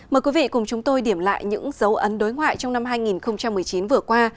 mời quý vị cùng chúng tôi điểm lại những dấu ấn đối ngoại trong năm hai nghìn một mươi chín vừa qua